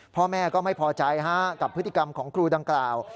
พ่อแม่ก็ไม่พอใจกับพฤติกรรมของครูดังกล่าว